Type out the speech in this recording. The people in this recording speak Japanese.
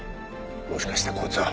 もしかしてこいつは。